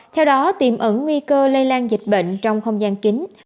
theo đó tìm ẩn nguy cơ lây lan dịch bệnh trong không gian kính